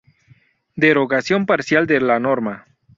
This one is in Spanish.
Derogación parcial de la norma.